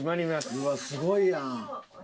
うわっすごいやん！